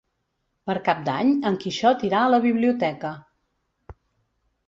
Per Cap d'Any en Quixot irà a la biblioteca.